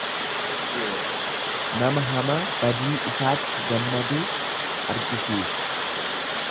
Nama hamaa badii isaatti gammaduu argisiisa.